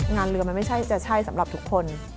งานเรือมันไม่ใช่จะใช่สำหรับทุกคน